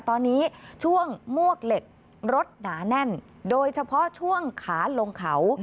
ตอนนี้ช่วงมวกเหล็กรถหนาแน่นโดยเฉพาะช่วงขาลงเขา